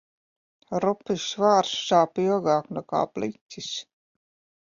Rupjš vārds sāp ilgāk nekā pliķis.